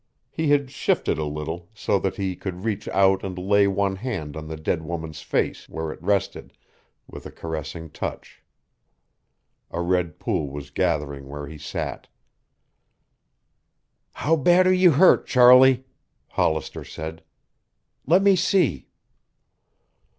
He had shifted a little, so that he could reach out and lay one hand on the dead woman's face, where it rested, with a caressing touch. A red pool was gathering where he sat. "How bad are you hurt, Charlie?" Hollister said. "Let me see."